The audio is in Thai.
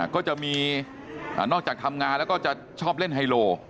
ก็จะมีนอกจากทำงานแล้วก็จะชอบเล่นไฮโล